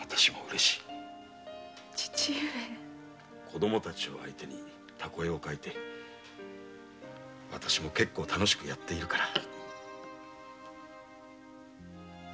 子供たちを相手にタコ絵を描いてわたしも結構楽しくやっているから。